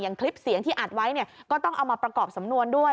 คลิปเสียงที่อัดไว้เนี่ยก็ต้องเอามาประกอบสำนวนด้วย